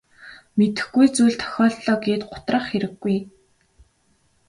Мэдэхгүй зүйл тохиолдлоо гээд гутрах хэрэггүй.